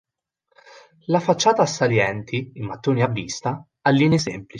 La facciata a salienti, in mattoni a vista, ha linee semplici.